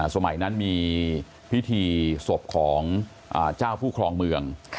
สมัยนั้นมีพิธีศพของเจ้าผู้ครองเมือง